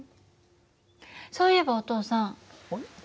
そういえばお父さん。